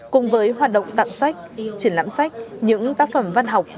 cùng với hoạt động tặng sách triển lãm sách những tác phẩm văn học